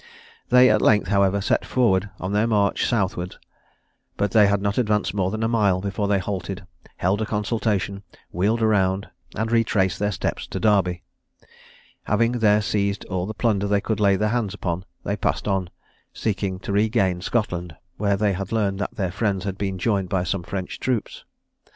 They at length, however, set forward on their march southwards, but they had not advanced more than a mile before they halted, held a consultation, wheeled round, and retraced their steps to Derby. Having there seized all the plunder they could lay their hands upon, they passed on, seeking to regain Scotland, where they had learned that their friends had been joined by some French troops.